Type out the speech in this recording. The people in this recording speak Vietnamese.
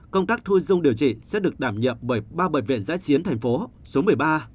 công tác thu dung điều trị sẽ được đảm nhập bởi ba bệnh viện giãi chiến tp hcm